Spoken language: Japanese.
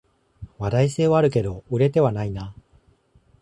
話題性はあるけど売れてはないな